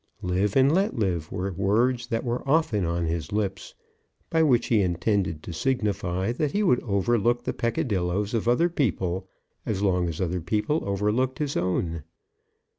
Live and let live, were words that were often on his lips; by which he intended to signify that he would overlook the peccadilloes of other people, as long as other people overlooked his own.